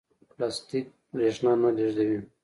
پلاستیک برېښنا نه لېږدوي.